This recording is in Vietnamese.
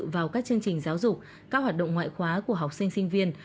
vào các chương trình giáo dục các hoạt động ngoại khóa của học sinh sinh viên